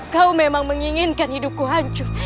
kau memang menginginkan hidupku hancur